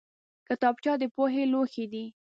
کتابچه د پوهې لوښی دی